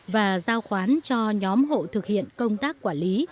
và giao khoán cho nhóm hộ thực hiện công tác quản lý